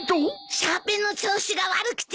シャーペンの調子が悪くて。